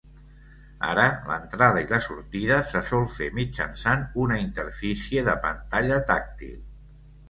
Ara l'entrada i la sortida se sol fer mitjançant una interfície de pantalla tàctil.